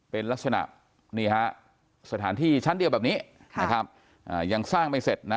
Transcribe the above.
เป็นลักษณะสถานที่ชั้นเดียวแบบนี้ยังสร้างไม่เสร็จ